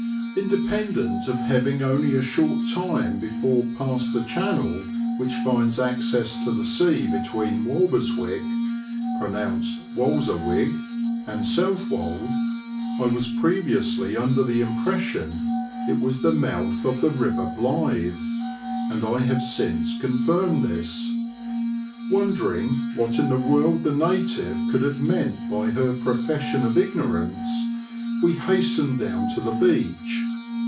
Independent of having only a short time before passed the channel which finds access to the sea between Walbers wick (pronounced Walzerwig) and Southwold, I was previously under the impression it was the mouth of the river Blythe, and I have since confirmed this. Wondering what in the world the native could have meant by her profession of ignorance, we hastened down to the beach.